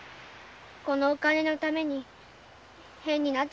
このお金のために変になっちゃったんだ。